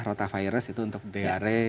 rota virus itu untuk diare